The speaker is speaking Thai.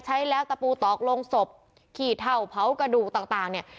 ใช้แล้วตะปูตอกลงศพขี้เท่าเผากระดูกต่างเนี่ย